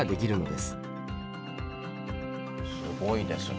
すごいですね。